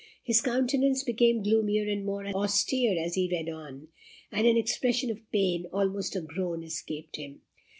His countenance became gloomier and more austere as he read on, and an expression of pain almost a groan escaped him.